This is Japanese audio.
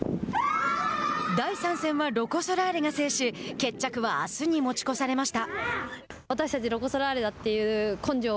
第３戦はロコ・ソラーレが制し決着はあすに持ち越されました。